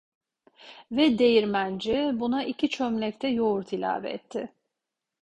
Ve değirmenci buna iki çömlek de yoğurt ilave etti.